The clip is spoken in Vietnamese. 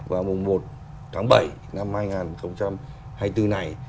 vào mùng một tháng bảy năm hai nghìn hai mươi bốn này